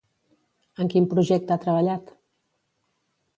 En quin projecte ha treballat?